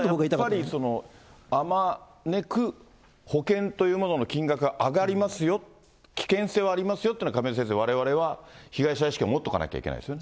やっぱりこれ、あまねく保険というものの金額が上がりますよ、危険性はありますよっていうのは亀井先生、われわれは被害者意識を持っとかなきゃいけないですよね。